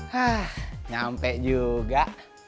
hah nyampe juga